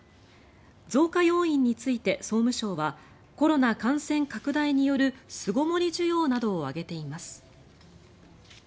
増加要因について総務省はコロナ感染拡大による巣ごもり需要などを挙げています。